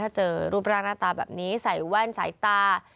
ถ้าเจอรูปร่างหน้าตาแบบนี้ใส่แว่นสายตา